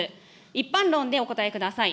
一般論でお答えください。